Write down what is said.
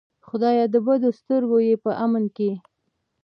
خدایه د بدو سترګو یې په امان کې.